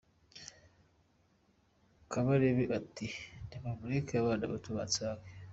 Kabarebe ati nimureke abana bato bansange